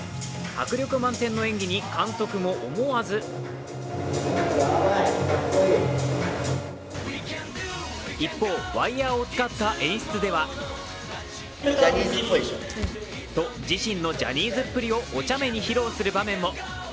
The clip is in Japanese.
迫力満点の演技に監督も思わず一方、ワイヤーを使った演出ではと、自身のジャニーズっぷりをお茶目に披露する場面も。